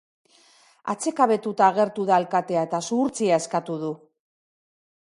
Atsekabetuta agertu da alkatea eta zuhurtzia eskatu du.